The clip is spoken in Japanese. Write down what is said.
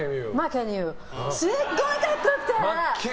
すっごい格好良くて。